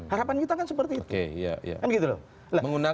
harapan kita kan seperti itu